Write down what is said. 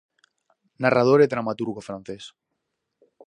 Narrador e dramaturgo francés.